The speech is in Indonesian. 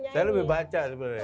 tapi lebih baca sebenarnya